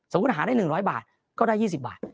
สมมุติหาได้๑๐๐บาทก็ได้๒๐บาท